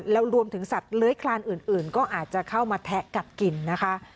แล้วรวมถึงสัตว์เลื้อยคลานอื่นก็อาจจะเข้ามาแทะกัดกินนะคะ